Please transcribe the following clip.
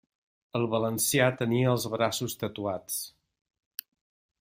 El valencià tenia els braços tatuats.